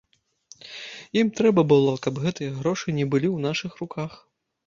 Ім трэба было, каб гэтыя грошы не былі ў нашых руках.